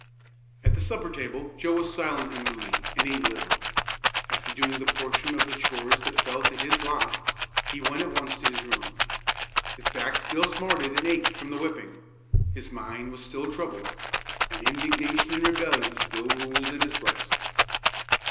At the supper table Joe was silent and moody, and ate little. After doing the portion of the chores that fell to his lot, he went at once to his room. His back still smarted and ached from the whipping; his mind was still troubled, and indignation and rebellion still ruled in his breast.